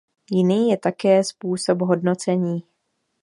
Jiný je také způsob hodnocení.